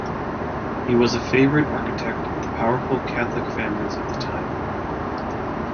He was a favourite architect of the powerful Catholic families of the time.